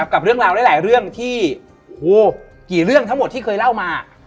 กับเรื่องราวหลายเรื่องที่กี่เรื่องทั้งหมดที่เคยเล่ามา